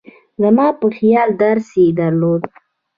زما په خیال درس یې درلود.